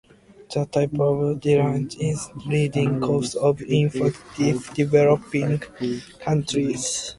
This type of diarrhea is the leading cause of infant death in developing countries.